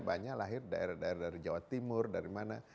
banyak lahir daerah daerah dari jawa timur dari mana